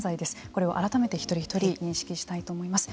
これは、改めて一人一人認識したいと思います。